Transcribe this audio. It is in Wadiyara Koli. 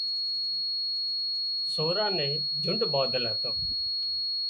سوران نين جنڍ ٻانڌل هتان